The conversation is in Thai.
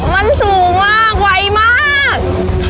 มันสูงมากไวมาก